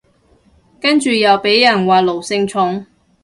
跟住又被人話奴性重